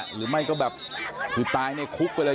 หรือไม่ก็แบบคือตายในคุกไปเลย